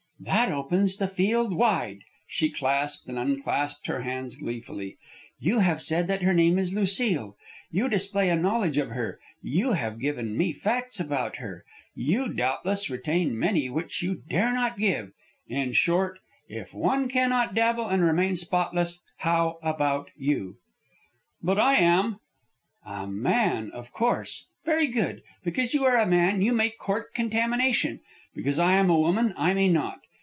"That opens the field wide." She clasped and unclasped her hands gleefully. "You have said that her name was Lucile; you display a knowledge of her; you have given me facts about her; you doubtless retain many which you dare not give; in short, if one cannot dabble and remain spotless, how about you?" "But I am " "A man, of course. Very good. Because you are a man, you may court contamination. Because I am a woman, I may not.